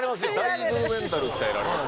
だいぶメンタル鍛えられます